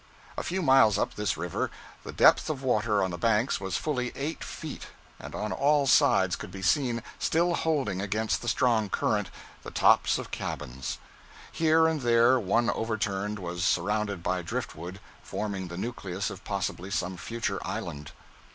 A few miles up this river, the depth of water on the banks was fully eight feet, and on all sides could be seen, still holding against the strong current, the tops of cabins. Here and there one overturned was surrounded by drift wood, forming the nucleus of possibly some future island.